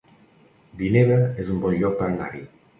Vinebre es un bon lloc per anar-hi